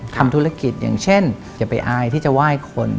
ทำธุรกิจอย่างเช่นอย่าไปอายที่จะไหว้คน